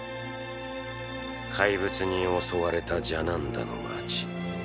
怪物に襲われたジャナンダの街。